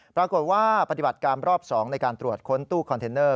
ปรากฏว่าปฏิบัติการรอบ๒ในการตรวจค้นตู้คอนเทนเนอร์